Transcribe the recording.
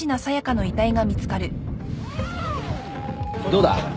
どうだ？